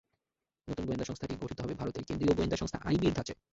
নতুন গোয়েন্দা সংস্থাটি গঠিত হবে ভারতের কেন্দ্রীয় গোয়েন্দা সংস্থা আইবির ধাঁচে।